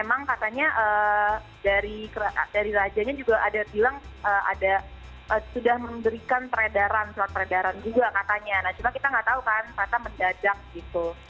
emang katanya dari rajanya juga ada bilang ada sudah memberikan peredaran surat peredaran juga katanya nah cuma kita nggak tahu kan kata mendadak gitu